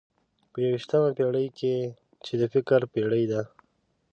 په یوویشتمه پېړۍ کې چې د فکر پېړۍ ده.